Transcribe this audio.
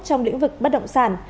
trong lĩnh vực bất động sản